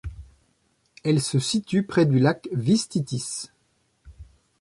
Elle se situe près du lac Vištytis.